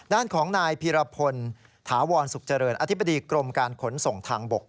ด้านของนายพีรพลถาวรสุขเจริญอธิบดีกรมการขนส่งทางบก